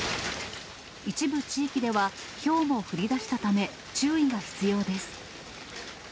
一部地域では、ひょうも降りだしたため、注意が必要です。